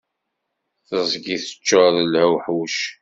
Tiẓgi teččur d luḥuc.